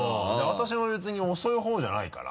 私も別に遅い方じゃないから。